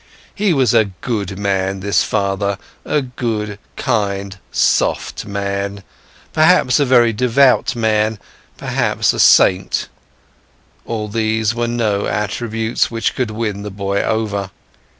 He was a good man, this father, a good, kind, soft man, perhaps a very devout man, perhaps a saint, all these were no attributes which could win the boy over.